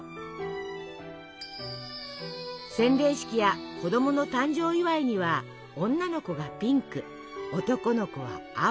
洗礼式や子供の誕生祝いには女の子がピンク男の子は青。